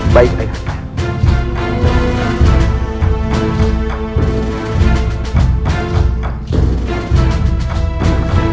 baik ayah anda